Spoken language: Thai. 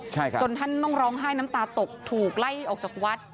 ใช่ครับจนท่านต้องร้องไห้น้ำตาตกถูกไล่ออกจากวัด